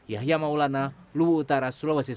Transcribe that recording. yahya maulana lubu utara sulawesi selatan